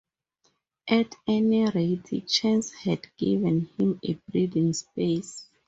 At any rate chance had given him a breathing space.